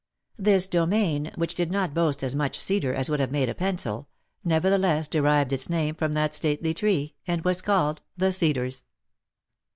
This domain, which did not boast as much cedar as would have made a pencil, nevertheless derived its name from that stately tree, and was called the Cedars.